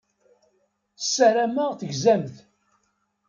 Ssarameɣ tegzamt.